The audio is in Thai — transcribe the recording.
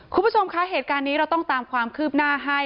คุณผู้ชมคะเหตุการณ์นี้เราต้องตามความคืบหน้าให้